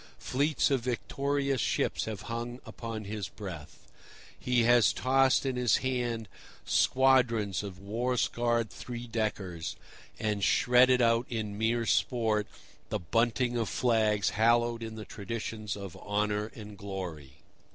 Fleets of victorious ships have hung upon his breath. He has tossed in his hand squadrons of war scarred three deckers, and shredded out in mere sport the bunting of flags hallowed in the traditions of honour and glory.